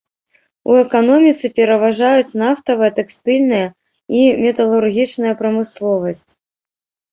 У эканоміцы пераважаюць нафтавая, тэкстыльная і металургічная прамысловасць.